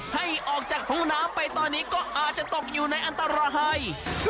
ให้ออกจากห้องน้ำไปตอนนี้ก็อาจจะตกอยู่ในอันตราย